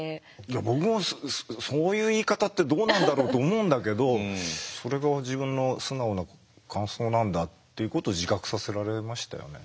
僕もそういう言い方ってどうなんだろうと思うんだけどそれが自分の素直な感想なんだっていうことを自覚させられましたよね。